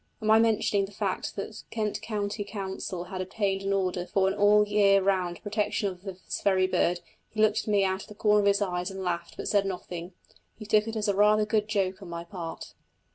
On my mentioning the fact that the Kent County Council had obtained an order for an all the year round protection of this very bird, he looked at me out of the corners of his eyes and laughed, but said nothing. He took it as a rather good joke on my part.